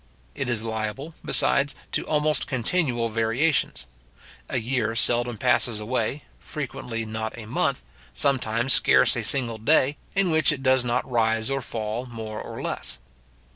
It is liable, besides, to almost continual variations. A year seldom passes away, frequently not a month, sometimes scarce a single day, in which it does not rise or fall more or less.